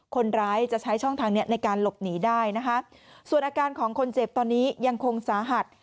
คนร้ายจะใช้ช่องทางเนี้ยในการหลบหนีได้นะคะส่วนอาการของคนเจ็บตอนนี้ยังคงสาหัส